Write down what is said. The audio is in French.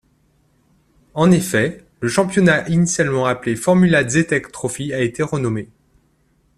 En effet, le championnat initialement appelé Formula Zetec Trophy a été renommé.